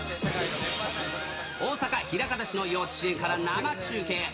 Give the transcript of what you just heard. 大阪・枚方市の幼稚園から生中継。